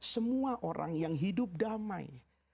semua orang yang hidup damai